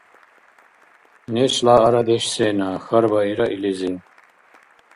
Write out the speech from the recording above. — Нешла арадеш сена? — хьарбаира илизи.